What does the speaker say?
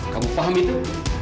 kamu paham itu